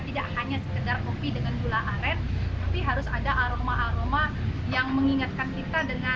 tidak hanya sekedar kopi dengan gula aren tapi harus ada aroma aroma yang mengingatkan kita dengan